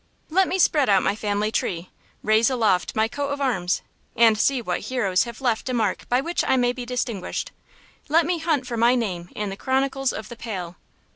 Let me spread out my family tree, raise aloft my coat of arms, and see what heroes have left a mark by which I may be distinguished. Let me hunt for my name in the chronicles of the Pale.